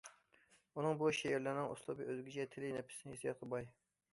ئۇنىڭ بۇ شېئىرلىرىنىڭ ئۇسلۇبى ئۆزگىچە، تىلى نەپىس، ھېسسىياتقا باي.